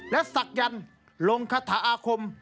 และศักยันต์ลงคาถาอาคม